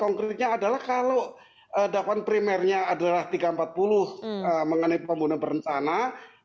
konkretnya adalah kalau dakwaan primernya adalah tiga ratus empat puluh mengenai pembunuhan berencana